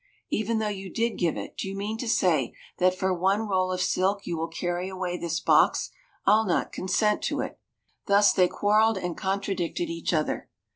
"Even though you did give it, do you mean to say that for one roll of silk you will carry away this box? I'll not consent to it." Thus they quarrelled, and contradicted each other.